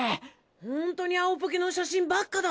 ホントに青ポケの写真ばっかだ。